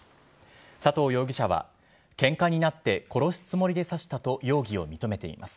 佐藤容疑者は、けんかになって殺すつもりで刺したと容疑を認めています。